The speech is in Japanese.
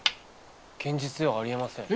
現実ではあり得ません。